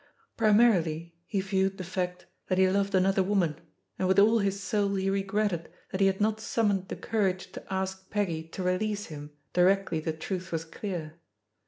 Pri marily he viewed the fact that he loved another; woman, and with all his soul he regretted that he had not simmioned the courage to ask Peggy to release him directly the truth was clear.